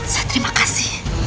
saya terima kasih